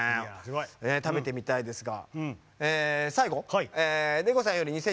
食べてみたいですが。